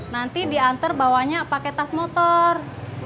nanti diantar bawanya pakai tas motor